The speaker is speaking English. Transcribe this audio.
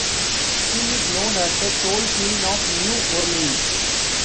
She is known as the "Soul Queen of New Orleans".